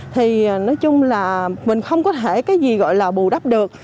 thì nói chung là mình không có thể cái gì gọi là bù đắp được